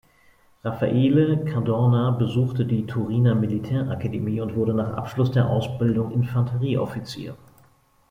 Raffaele Cadorna besuchte die Turiner Militärakademie und wurde nach Abschluss der Ausbildung Infanterieoffizier.